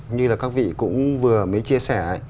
như là các vị cũng vừa mới chia sẻ